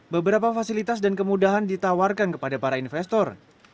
beberapa fasilitas dan kemudahan ditawarkan kepada para investor